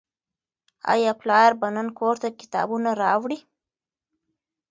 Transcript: آیا پلار به نن کور ته کتابونه راوړي؟